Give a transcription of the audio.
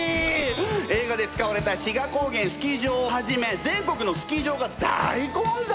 映画で使われた志賀高原スキー場をはじめ全国のスキー場が大混雑！